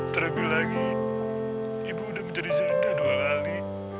terlebih lagi ibu udah menjadi santa dua kali